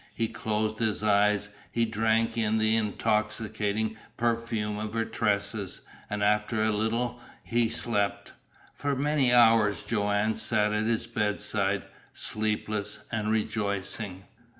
He closed his eyes; he drank in the intoxicating perfume of her tresses; and after a little he slept. For many hours Joanne sat at his bedside, sleepless, and rejoicing.